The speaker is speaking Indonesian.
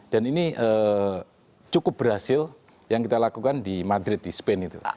dan ini cukup berhasil yang kita lakukan di madrid di spain itu